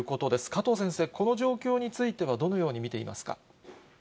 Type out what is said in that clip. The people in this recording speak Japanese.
加藤先生、この状況についてはどのように見ていますか。